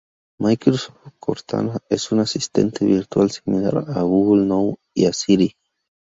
Microsoft Cortana es un asistente virtual similar a Google Now y a Siri.